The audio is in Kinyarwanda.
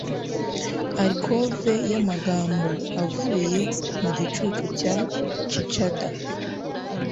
alcove yamagambo avuye mu gicucu cya cicada